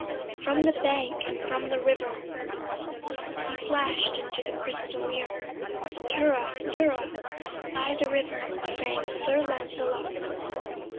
From the bank and from the river He flashed into the crystal mirror, "Tirra lirra," by the river Sang Sir Lancelot.